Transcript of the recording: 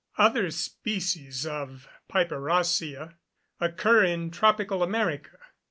Other species of Piperaceoe occur in tropical America.